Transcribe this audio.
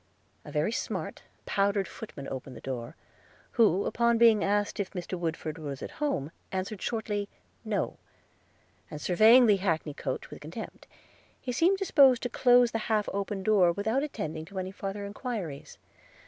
A very smart powdered footman opened the door, who, upon being asked if Mr. Woodford was at home, answered shortly, No; and surveying the hackney coach with contempt, seemed disposed to close the half opened door, without attending to any farther enquiries.